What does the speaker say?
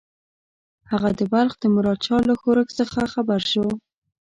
هغه د بلخ د مراد شاه له ښورښ څخه خبر شو.